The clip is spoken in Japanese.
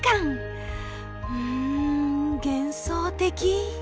うん幻想的！